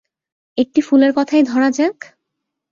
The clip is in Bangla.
একটি ফুলের কথাই ধরা যাক।